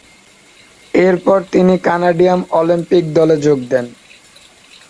এরপর তিনি Canadian Olympic দলে যোগ দেন।